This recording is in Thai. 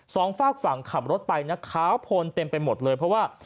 ฝากฝั่งขับรถไปนะขาวโพนเต็มไปหมดเลยเพราะว่า